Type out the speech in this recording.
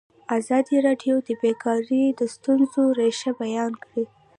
ازادي راډیو د بیکاري د ستونزو رېښه بیان کړې.